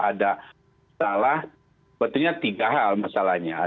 ada salah sebetulnya tiga hal masalahnya